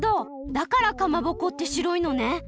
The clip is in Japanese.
だからかまぼこって白いのね！